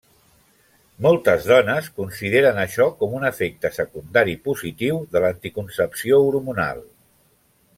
Moltes dones consideren això com un efecte secundari positiu de l'anticoncepció hormonal.